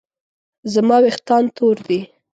زما ویښتان تور دي